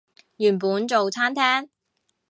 原本做餐廳